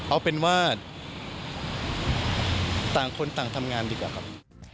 เอาเป็นว่าต่างคนต่างทำงานดีกว่าครับ